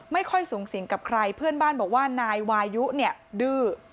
ไม่ค่อยสูงสิงกับใครเพื่อนบ้านบอกว่านายวายุเนี่ยดื้อ